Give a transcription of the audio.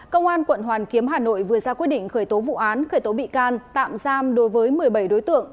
công an quận hoàn kiếm hà nội vừa ra quyết định khởi tố vụ án khởi tố bị can tạm giam đối với một mươi bảy đối tượng